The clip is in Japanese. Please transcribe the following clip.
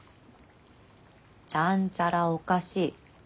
ちゃんちゃらおかしい。